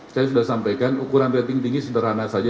saya sudah sampaikan ukuran rating tinggi sederhana saja